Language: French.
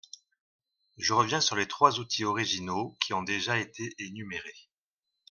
Je reviens sur les trois outils originaux qui ont déjà été énumérés.